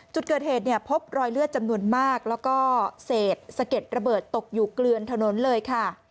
จุดเกิดเหตุเนี่ยพบรอยเลือดจำนวนมากแล้วก็เศษสะเก็ดระเบิดตกอยู่เกลือนถนนเลยค่ะ